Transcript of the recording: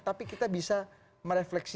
tapi kita bisa merefleksi